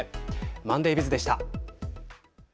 ＭｏｎｄａｙＢｉｚでした。